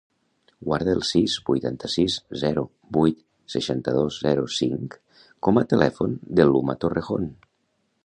Guarda el sis, vuitanta-sis, zero, vuit, seixanta-dos, zero, cinc com a telèfon de l'Uma Torrejon.